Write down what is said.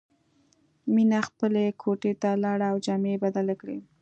مینه خپلې کوټې ته لاړه او جامې یې بدلې کړې